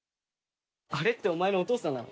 あれってお前のお父さんなの？